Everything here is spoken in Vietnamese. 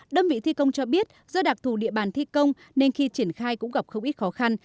đâm vị thi công cho biết do đặc thù địa bàn thi công nên khi triển khai cũng gặp không ít khó khăn